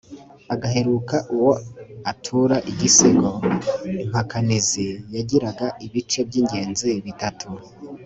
agaheruka uwo atura igisigo. impakanizi yagiraga ibice by'ingenzi bitatu